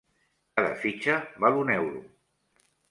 Cada fitxa val un euro.